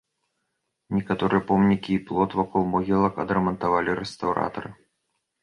Некаторыя помнікі і плот вакол могілак адрамантавалі рэстаўратары.